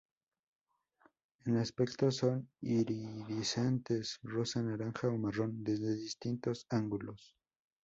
En aspecto son iridiscentes; rosa, naranja o marrón desde distintos ángulos.